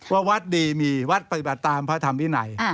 ว่าวัดดีมีวัดปฏิบัติตามพระธรรมที่ไหน